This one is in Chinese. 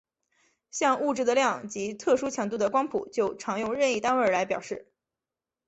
像物质的量及特殊强度的光谱就常用任意单位来表示。